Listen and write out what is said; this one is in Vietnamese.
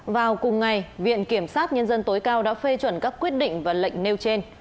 vào cùng ngày viện kiểm sát nhân dân tối cao đã phê chuẩn các quyết định và lệnh nêu trên